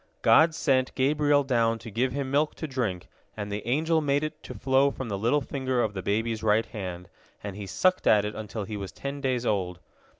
God sent Gabriel down to give him milk to drink, and the angel made it to flow from the little finger of the baby's right hand, and he sucked at it until he was ten days old.